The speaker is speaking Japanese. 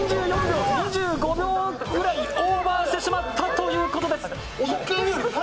２５秒くらいオーバーしてしまったということです。